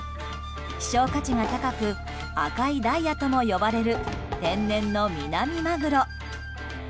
希少価値が高く赤いダイヤとも呼ばれる天然のミナミマグロ。